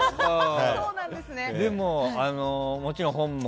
でも、もちろん本も。